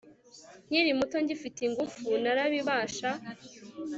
nkiri muto, ngifite ingufu, narabish